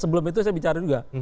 sebelum itu saya bicara juga